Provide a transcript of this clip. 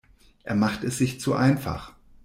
Er macht es sich zu einfach.